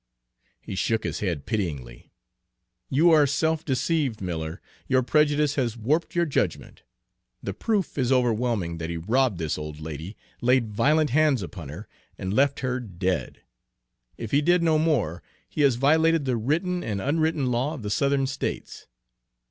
He shook his head pityingly. 'You are self deceived, Miller; your prejudice has warped your judgment. The proof is overwhelming that he robbed this old lady, laid violent hands upon her, and left her dead. If he did no more, he has violated the written and unwritten law of the Southern States.